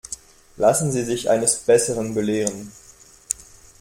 Lassen Sie sich eines Besseren belehren.